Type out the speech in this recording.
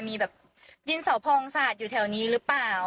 มีแบบดินเสาพองสาดอยู่แถวนี้หรือเปล่า